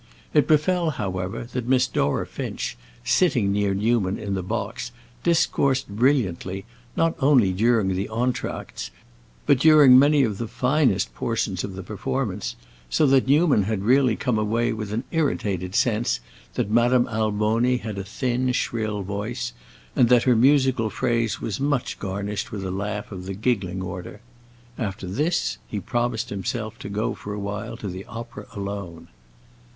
It befell, however, that Miss Dora Finch, sitting near Newman in the box, discoursed brilliantly, not only during the entr'actes, but during many of the finest portions of the performance, so that Newman had really come away with an irritated sense that Madame Alboni had a thin, shrill voice, and that her musical phrase was much garnished with a laugh of the giggling order. After this he promised himself to go for a while to the opera alone.